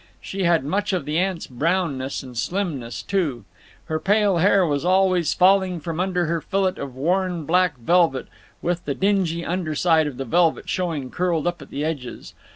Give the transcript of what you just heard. She had much of the ant's brownness and slimness, too. Her pale hair was always falling from under her fillet of worn black velvet (with the dingy under side of the velvet showing curled up at the edges).